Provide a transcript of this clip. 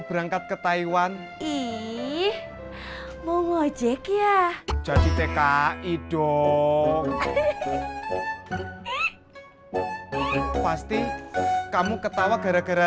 berangkat ke taiwan eh mau wajib ya jadi tki dong pasti kamu ketawa gara gara